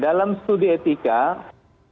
dalam studi etika itu bisa